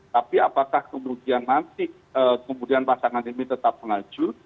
tapi apakah kemudian nanti pasangan ini tetap melaju